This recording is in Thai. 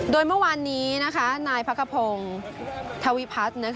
โดยเมื่อวานนี้นายพักขพงศ์ธวิพัฒน์